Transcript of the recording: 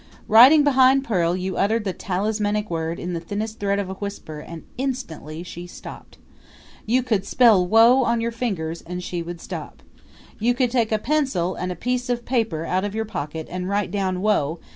Riding behind Pearl you uttered the talismanic word in the thinnest thread of a whisper and instantly she stopped. You could spell Whoa! on your fingers, and she would stop. You could take a pencil and a piece of paper out of your pocket and write down Whoa!